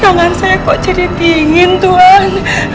rangan saya kok jadi bingin tuhan